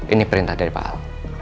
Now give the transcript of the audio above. ini perintah dari pak ahok